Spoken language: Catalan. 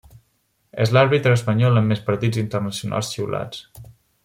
És l'àrbitre espanyol amb més partits internacionals xiulats.